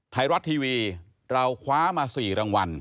ไทยรัฐทีวีเราคว้ามา๔รางวัล